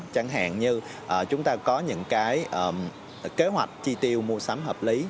chẳng hạn như chúng ta có những cái kế hoạch chi tiêu mua sắm hợp lý